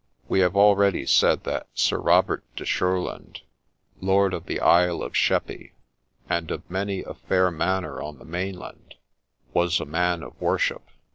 We have already said that Sir Robert de Shurland, Lord of the Isle of Sheppey, and of many a fair manor on the main land, was a man of worship.